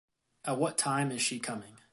At what time is she coming?